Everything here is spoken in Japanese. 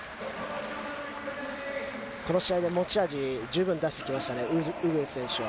この試合で持ち味、十分出してきましたね、ウグエフ選手は。